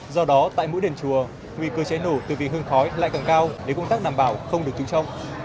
do đó tại mỗi đền chùa nguy cơ cháy nổ từ vì hương khói lại càng cao để công tác đảm bảo không được trúng trong